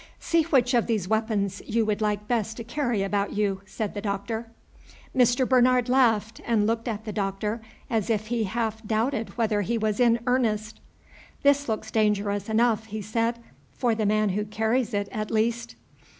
"See which of these weapons you would like best to carry about you," said the Doctor. Mr. Bernard laughed, and looked at the Doctor as if he half doubted whether he was in earnest. "This looks dangerous enough," he said, "for the man who carries it, at least."